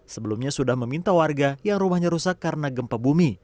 sebelumnya sudah meminta warga yang rumahnya rusak karena gempa bumi